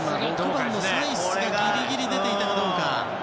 ６番のサイスがギリギリ出ていたかどうか。